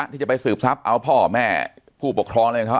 ที่จะไปสืบทรัพย์เอาพ่อแม่ผู้ปกครองอะไรของเขา